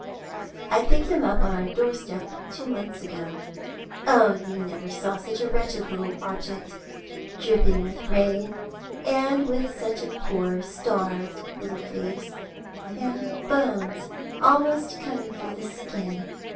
I picked him up on our door step, two months ago. Oh, you never saw such a wretched little object, dripping with rain, and with such a poor starved little face, and bones almost coming through the skin.